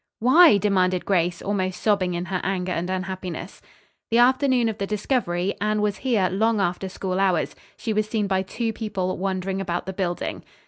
"Why?" demanded Grace, almost sobbing in her anger and unhappiness. "The afternoon of the discovery Anne was here long after school hours. She was seen by two people wandering about the building."